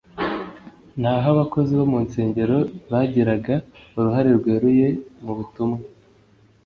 naho abakozi bo mu nsengero bagiraga uruhare rweruye mu butumwa